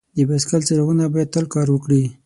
د بایسکل څراغونه باید تل کار وکړي.